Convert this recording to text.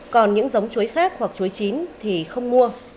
còn những giống chuối khác hoặc chuối chín thì không mua